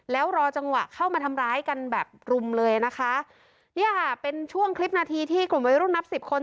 แล้วรอจังหวะเข้ามาทำร้ายกันแบบรุมเลยนะคะเนี่ยค่ะเป็นช่วงคลิปนาทีที่กลุ่มวัยรุ่นนับสิบคน